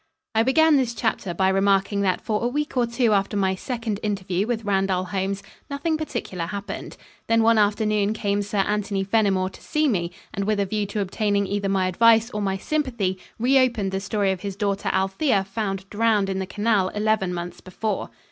I began this chapter by remarking that for a week or two after my second interview with Randall Holmes, nothing particular happened. Then one afternoon came Sir Anthony Fenimore to see me, and with a view to obtaining either my advice or my sympathy, reopened the story of his daughter Althea found drowned in the canal eleven months before.